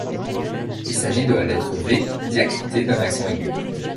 Il s’agit de la lettre V diacritée d’un accent aigu.